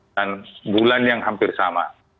dan bulan yang hampir sama